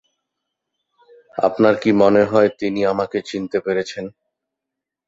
আপনার কি মনেহয় তিনি আমাকে চিনতে পেরেছেন?